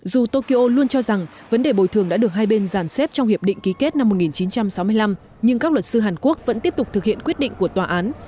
dù tokyo luôn cho rằng vấn đề bồi thường đã được hai bên giàn xếp trong hiệp định ký kết năm một nghìn chín trăm sáu mươi năm nhưng các luật sư hàn quốc vẫn tiếp tục thực hiện quyết định của tòa án